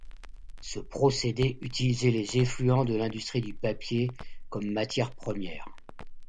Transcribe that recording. Ce procédé utilisait les effluents de l'industrie du papier comme matière première.